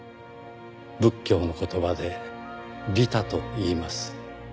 「仏教の言葉で“利他”といいます」